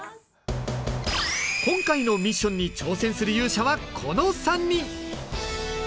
今回ミッションに挑戦する勇者はこの３人。